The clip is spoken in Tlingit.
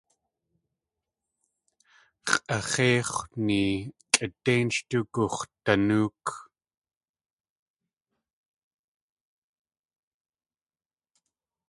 X̲ʼax̲éini kʼidéin sh tugux̲danóok.